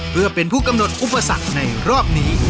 เพื่อเป็นผู้กำหนดอุปสรรคในรอบนี้